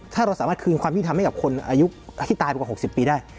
ถ้าเราสามารถคืนความยุติธรรมให้กับคนอายุที่ตายมากว่า๖๐ปีได้